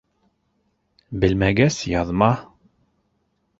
— Белмәгәс, яҙма.